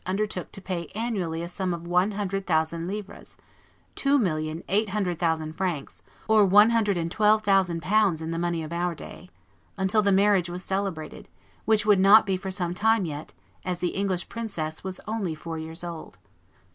undertook to pay annually a sum of one hundred thousand livres [two million eight hundred thousand francs, or one hundred and twelve thousand pounds in the money of our day], until the marriage was celebrated, which would not be for some time yet, as the English princess was only four years old.